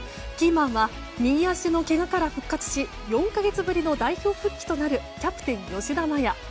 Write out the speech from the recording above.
キーマンは右足のけがから復活し４か月ぶりの代表復帰となるキャプテン、吉田麻也。